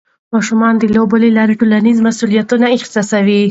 ماشومان د لوبو له لارې ټولنیز مسؤلیت احساسوي.